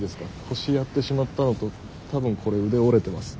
腰やってしまったのと多分これ腕折れてます。